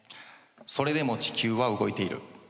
「それでも地球は動いている」